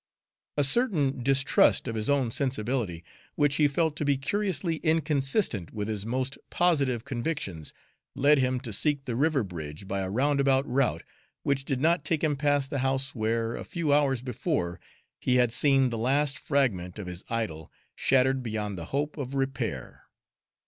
A certain distrust of his own sensibility, which he felt to be curiously inconsistent with his most positive convictions, led him to seek the river bridge by a roundabout route which did not take him past the house where, a few hours before, he had seen the last fragment of his idol shattered beyond the hope of repair.